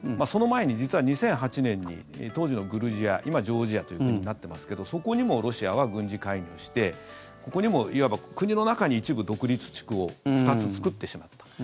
その前に、実は２００８年に当時のグルジア今、ジョージアというふうになってますけどそこにもロシアは軍事介入してここにも、いわば国の中に一部独立地区を２つ作ってしまった。